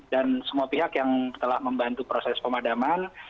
dan semua pihak yang telah membantu proses pemadaman